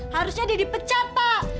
harusnya dia dipecat pak